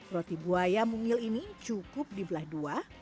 roti buaya mungil ini cukup dibelah dua